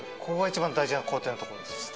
ここが一番大事な工程のとこです。